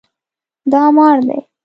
دا مار دی